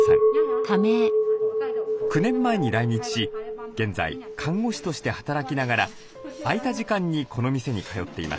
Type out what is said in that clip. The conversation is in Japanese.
９年前に来日し現在看護師として働きながら空いた時間にこの店に通っています。